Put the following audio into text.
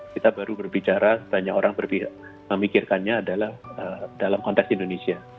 kita baru berbicara banyak orang berpikirkan dalam konteks indonesia